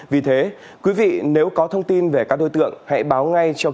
vì thế quý vị nếu có thông tin về các đối tượng hãy báo ngay cho cơ quan